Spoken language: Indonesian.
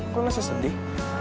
gue masih sedih